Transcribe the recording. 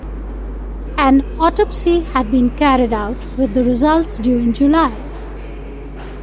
An autopsy had been carried out, with the results due in July.